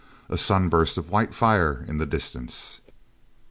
A sunburst of white fire in the distance...